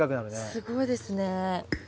すごいですね。